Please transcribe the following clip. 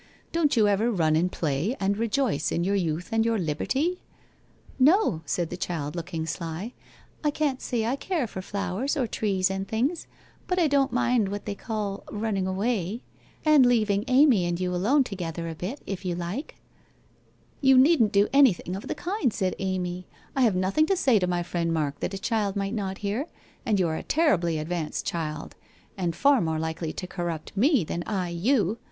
' Don't you ever run and play, and rejoice in your youth and your liberty ?'' No/ said the child, looking sly, ' I can't say I care for flowers or trees and things, but I don't mind what they call " running away " and leaving Amy and you alone together a bit, if you like/ ' You needn't do anything of the kind/ said Amy, ' I have nothing to say to my friend Mark that a child might not hear, and you are a terribly advanced child, and far more likely to corrupt me than I you.